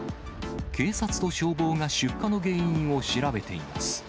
警察と消防が出火の原因を調べています。